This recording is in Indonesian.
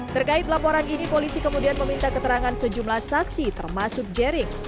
terkait laporan ini polisi kemudian meminta keterangan sejumlah saksi termasuk jerings